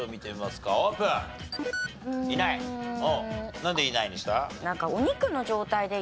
なんでいないにした？